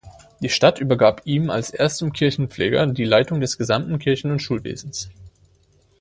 Die Stadt übergab ihm als erstem Kirchenpfleger die Leitung des gesamten Kirchen- und Schulwesens.